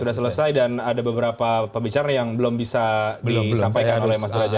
sudah selesai dan ada beberapa pembicaraan yang belum bisa disampaikan oleh mas derajat